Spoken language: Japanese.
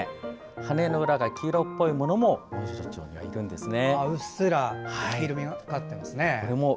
羽の裏が黄色っぽいものもモンシロチョウにはいるんですね。